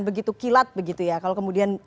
begitu kilat begitu ya kalau kemudian